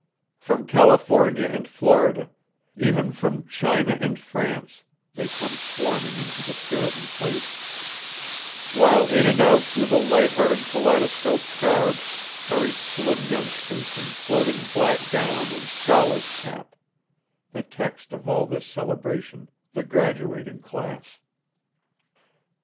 From California and Florida, even from China and France, they come swarming into the Puritan place, while in and out through the light hearted kaleidoscopic crowd hurry slim youngsters in floating black gown and scholar's cap the text of all this celebration, the graduating class.